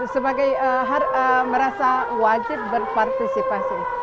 sebagai merasa wajib berpartisipasi